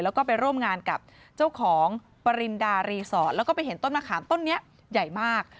แล้วก็ไปร่วมงานกับเจ้าของปริณดารีสอร์ทแล้วก็ไปเห็นต้นมะขามต้นนี้ใหญ่มาก